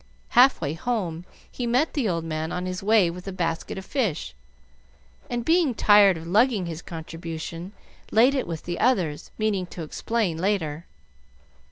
Half way home he met the old man on his way with a basket of fish, and being tired of lugging his contribution laid it with the others, meaning to explain later.